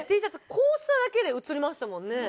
こうしただけで移りましたもんね